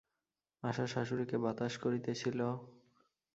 আশা শাশুড়িকে বাতাস করিতেছিল।